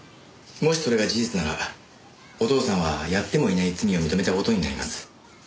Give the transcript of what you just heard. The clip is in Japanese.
もしそれが事実ならお父さんはやってもいない罪を認めた事になります。